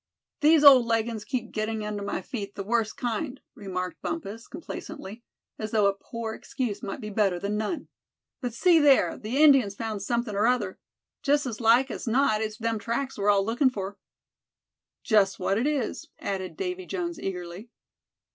"These old leggings keep gettin' under my feet the worst kind," remarked Bumpus, complacently, as though a poor excuse might be better than none. "But see there, the Indian's found something or other. Just as like as not it's them tracks we're all lookin' for." "Just what it is," added Davy Jones, eagerly.